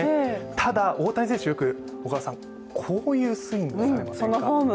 ただ大谷選手、よくこういうスイングをされますよね。